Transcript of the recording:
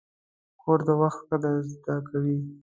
کورس د وخت قدر زده کوي.